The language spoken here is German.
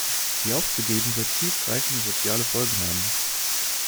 Sie aufzugeben wird tiefgreifende soziale Folgen haben.